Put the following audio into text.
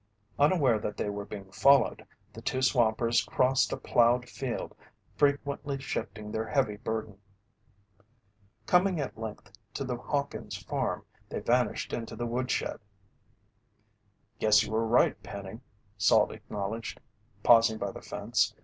Unaware that they were being followed, the two swampers crossed a plowed field, frequently shifting their heavy burden. Coming at length to the Hawkins' farm, they vanished into the woodshed. "Guess you were right, Penny," Salt acknowledged, pausing by the fence.